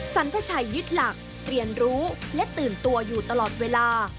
สันทชัยยึดหลักเรียนรู้และตื่นตัวอยู่ตลอดเวลา